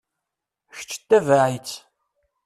Kečč ttabaɛ-itt.